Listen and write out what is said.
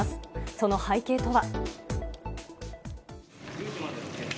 その背景とは。